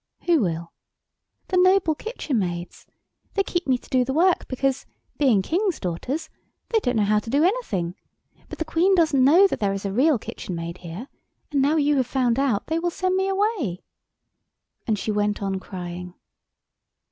"Who will?" "The noble Kitchen Maids. They keep me to do the work because, being Kings' daughters, they don't know how to do anything; but the Queen doesn't know that there is a Real Kitchen maid here, and now you have found out they will send me away." And she went on crying.